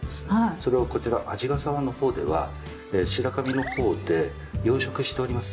それをこちら鰺ヶ沢のほうでは白神のほうで養殖しております。